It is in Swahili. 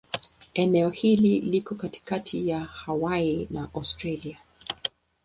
Eneo hili liko katikati ya Hawaii na Australia.